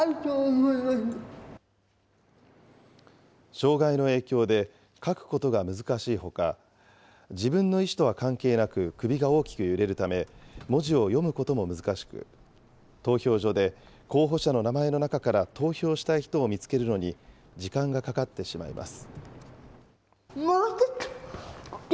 障害の影響で、書くことが難しいほか、自分の意思とは関係なく首が大きく揺れるため、文字を読むことも難しく、投票所で候補者の名前の中から投票したい人を見つけるのに時間がかかってしまいます。